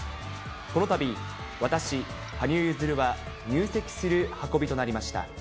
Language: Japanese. このたび、私、羽生結弦は入籍する運びとなりました。